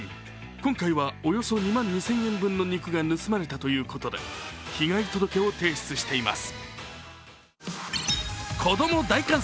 今回はおよそ２万２０００円分の肉が盗まれたということで被害届を提出しています。